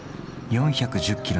４１０キロ